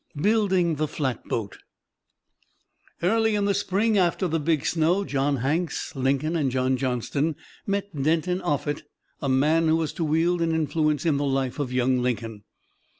BUILDING THE FLATBOAT Early in the spring after "the big snow," John Hanks, Lincoln and John Johnston met Denton Offutt, a man who was to wield an influence on the life of young Lincoln.